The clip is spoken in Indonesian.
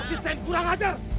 asisten kurang ajar